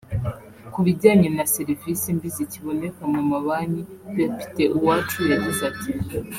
Ku bijyanye na serivisi mbi zikiboneka mu mabanki ; Depite Uwacu yagize ati